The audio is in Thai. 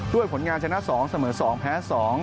ผลงานชนะ๒เสมอ๒แพ้๒